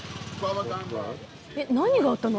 えっ何があったの？